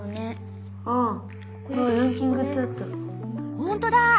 ほんとだ！